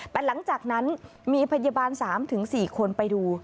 แต่หลังจากนั้นมีพยาบาล๓๔คนไปดู